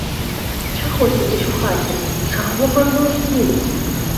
Чаго сядзіш у хаце, чаго марнуеш дні?